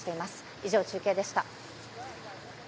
以上、中継でした。